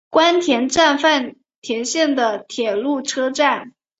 宫田站饭田线的铁路车站。